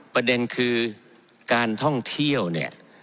ประเด็นคือการท่องเที่ยวเนี่ย